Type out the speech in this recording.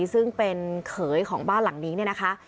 ซึ่งเป็นเขยของบ้านหลังนี้เนี่ยนะคะ